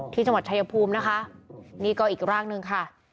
ที่จังหวัดชายภูมินะคะนี่ก็อีกร่างหนึ่งค่ะ